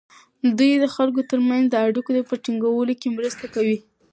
دوی د خلکو ترمنځ د اړیکو په ټینګولو کې مرسته کوي.